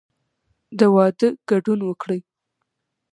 د واده ګډون وکړئ